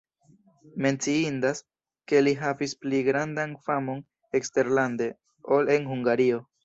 Menciindas, ke li havis pli grandan famon eksterlande, ol en Hungario.